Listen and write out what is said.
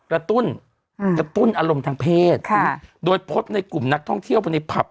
กระตุ้นกระตุ้นอารมณ์ทางเพศโดยพบในกลุ่มนักท่องเที่ยวไปในผับ